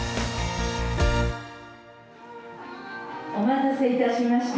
お待たせいたしました。